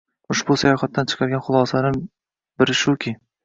Ushbu sayohatdan chiqargan xulosalarimdan biri shuki